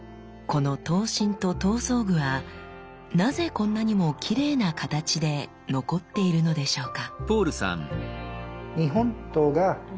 この刀身と刀装具はなぜこんなにもきれいな形で残っているのでしょうか？